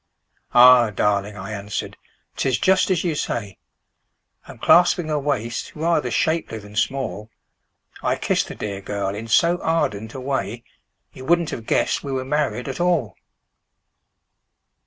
"Ah! darling," I answered, "'tis just as you say;" And clasping a waist rather shapely than small, I kissed the dear girl in so ardent a way You wouldn't have guessed we were married at all!